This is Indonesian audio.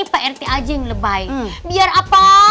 prt aja yang lebay biar apa